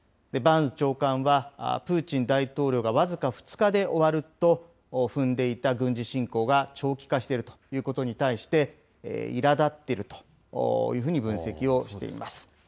バーンズ長官は、プーチン大統領が僅か２日で終わると踏んでいた軍事侵攻が長期化しているということに対して、いらだっているというふうに分析をしています。